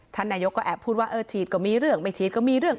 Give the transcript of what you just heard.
ท่านนายกก็แอบพูดว่าเออฉีดก็มีเรื่องไม่ฉีดก็มีเรื่อง